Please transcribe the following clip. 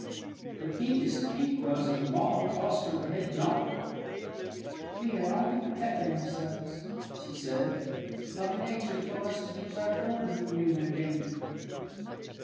'' The pinkest pink rose of them all tossed her head jauntily. ^^ We are onl}^ protecting ourselves," she said. ^' Mother Nature told us to use our thorns when we were in danger.''